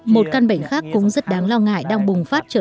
một căn bệnh khác cũng rất đáng lo ngại đang bùng phát trở lại